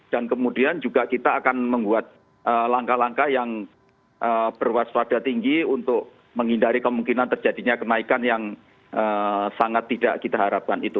dan kemudian juga kita akan membuat langkah langkah yang berwaspada tinggi untuk menghindari kemungkinan terjadinya kenaikan yang sangat tidak kita harapkan itu